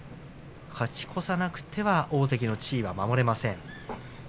勝ち越さなくては大関の地位は守れません。